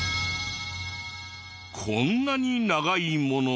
こんなに長いものが。